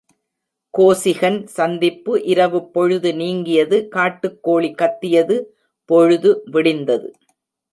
கோசிகன் சந்திப்பு இரவுப் பொழுது நீங்கியது காட்டுக் கோழி கத்தியது பொழுது விடிந்தது.